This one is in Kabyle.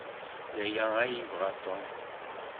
D aya ay yebɣa Tom?